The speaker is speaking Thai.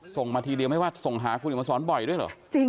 ส่งมาทีเดียวไม่ว่าส่งหาคุณเดี๋ยวมาสอนบ่อยด้วยเหรอ